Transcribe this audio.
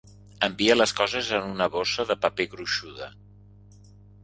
Envia les coses en una bossa de paper gruixuda.